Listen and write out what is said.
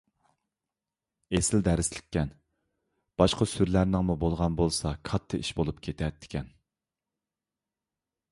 ئېسىل دەرسلىككەن. باشقا سۈرىلەرنىڭمۇ بولغان بولسا كاتتا ئىش بولۇپ كېتەتتىكەن!